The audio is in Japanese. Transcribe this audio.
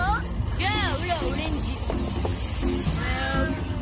じゃあオラオレンジ。